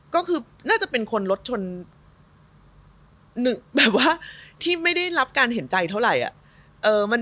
ก็คือน่าจะเป็นคนรถชนแบบว่าที่ไม่ได้รับการเห็นใจเท่าไหร่